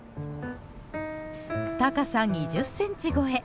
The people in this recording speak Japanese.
高さ２０ｃｍ超え